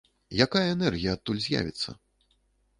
Якая энергія адтуль з'явіцца?